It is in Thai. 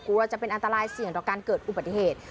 กลัวจะเป็นอันตรายเสี่ยงต่อการเกิดอุบัติเหตุ